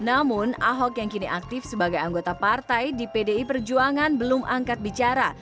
namun ahok yang kini aktif sebagai anggota partai di pdi perjuangan belum angkat bicara